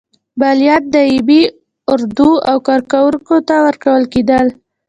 مالیات دایمي اردو او کارکوونکو ته ورکول کېدل.